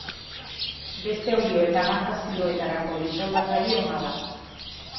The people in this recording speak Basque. Beste olio eta gantz-azidoetarako disolbatzaile ona da.